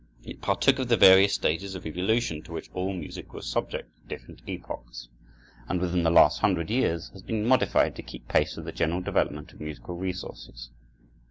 It partook of the various stages of evolution to which all music was subject at different epochs, and within the last hundred years has been modified to keep pace with the general development of musical resources.